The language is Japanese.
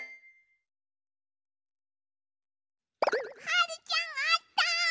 はるちゃんあった！